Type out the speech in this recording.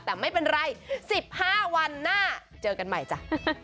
แต่ไม่เป็นไร๑๕วันหน้าเจอกันใหม่จ้ะ